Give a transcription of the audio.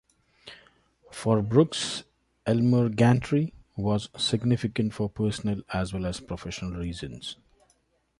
For Brooks, "Elmer Gantry" was significant for personal as well as professional reasons.